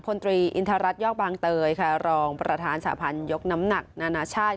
พลตรีอินทรัศนยอกบางเตยค่ะรองประธานสาพันธ์ยกน้ำหนักนานาชาติ